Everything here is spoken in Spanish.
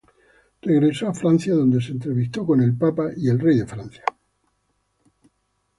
Regresó a Francia, donde se entrevistó con el Papa y el Rey de Francia.